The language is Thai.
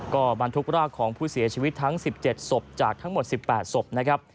ก็บรรทุกรากของผู้เสียชีวิตทั้ง๑๗ศพจากทั้งหมด๑๘ศพนะครับ